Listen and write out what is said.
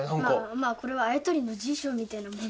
まあ、これはあや取りの辞書みたいなもので。